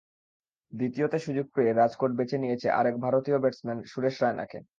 দ্বিতীয়তে সুযোগ পেয়ে রাজকোট বেছে নিয়েছে আরেক ভারতীয় ব্যাটসম্যান সুরেশ রায়নাকে।